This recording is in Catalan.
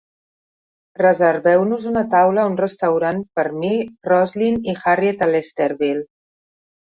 reserveu-nos una taula a un restaurant per mi, Roslyn i Harriett a Lesterville